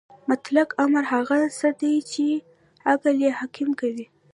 مطلق امر هغه څه دی چې عقل یې حکم کوي.